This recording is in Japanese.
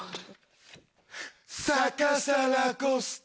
逆さラコステ。